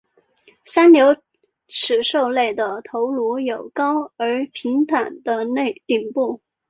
三瘤齿兽类的头颅有高而平坦的顶部。